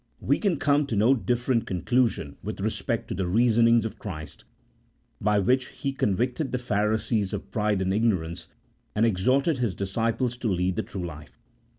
"We can come to no different conclusion with respect to the reasonings of Christ, by which He convicted the Phari sees of pride and ignorance, and exhorted His disciples to lead the true life.